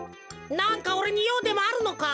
なんかおれにようでもあるのか？